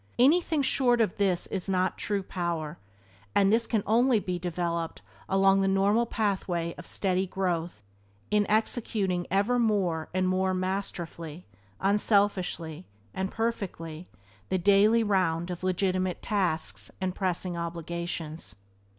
Anything short of this is not true power, and this can only be developed along the normal pathway of steady growth in executing ever more and more masterfully, unselfishly, and perfectly the daily round of legitimate tasks and pressing obligations.